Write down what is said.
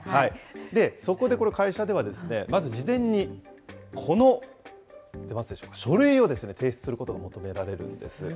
そこでこの会社では、まず事前に、この書類を提出することが求められるんです。